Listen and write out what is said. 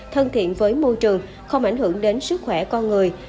thân thiện với môi trường không ảnh hưởng đến sức khỏe con người